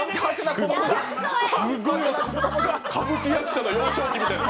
歌舞伎役者の幼少期みたいな。